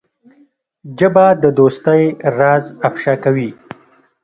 ژبه د دوستۍ راز افشا کوي